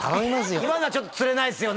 今のはちょっとつれないですよね